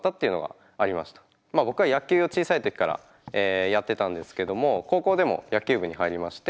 僕は野球を小さい時からやってたんですけども高校でも野球部に入りまして。